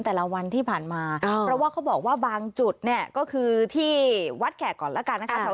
เพราะว่าเขาบอกว่าบางจุดนี่ก็คือที่วัดแขกก่อนละกันนะคะ